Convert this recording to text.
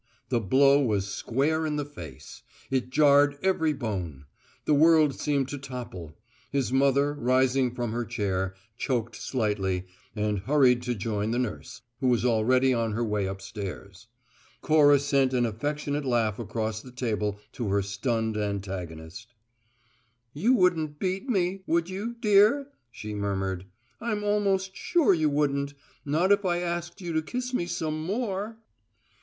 The blow was square in the face; it jarred every bone; the world seemed to topple. His mother, rising from her chair, choked slightly, and hurried to join the nurse, who was already on her way upstairs. Cora sent an affectionate laugh across the table to her stunned antagonist. "You wouldn't beat me, would you, dear?" she murmured. "I'm almost sure you wouldn't; not if I asked you to kiss me some more."